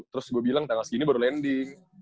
terus gue bilang tanggal segini baru landing